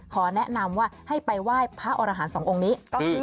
ขอแนะนำว่าให้ไปไหว้พระอรหารสององค์นี้ก็คือ